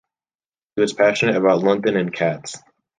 He was passionate about London and cats.